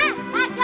eh enak aja